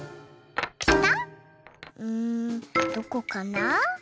うんどこかな？